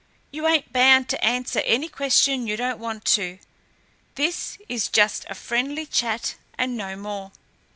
"You ain't bound to answer any question you don't want to. This is just a friendly chat and no more."